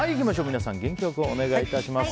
皆さん元気良くお願いします。